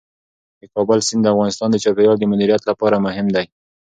د کابل سیند د افغانستان د چاپیریال د مدیریت لپاره مهم دي.